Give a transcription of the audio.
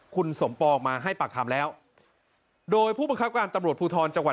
คุณสมปองมาให้ปากคำแล้วโดยผู้บังคับการตำรวจภูทรจังหวัด